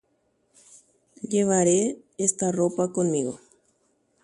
Agueraháta ko ao cherehe.